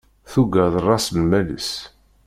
Tuga d raṣ-lmal-is.